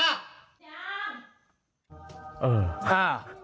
อ่า